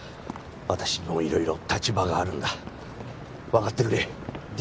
私にも色々立場があるんだ分かってくれＤ